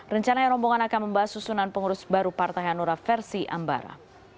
rencananya rombongan akan membahas susunan pengurus baru partai hanura versi ambara